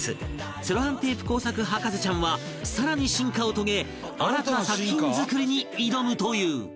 セロハンテープ工作博士ちゃんは更に進化を遂げ新たな作品作りに挑むという